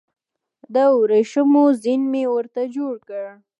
د وریښمو زین مې ورته جوړ کړ